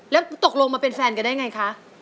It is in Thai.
แล้วตกลงมาเป็นแฟนกันได้ไงคะ